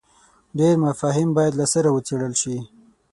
ډېر مفاهیم باید له سره وڅېړل شي.